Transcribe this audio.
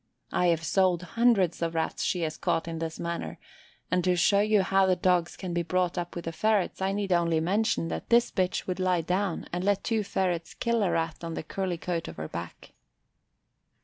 I have sold hundreds of Rats she has caught in this manner, and to show you how the dogs can be brought up with the ferrets I need only mention that this bitch would lie down and let two ferrets kill a Rat on the curly coat of her back.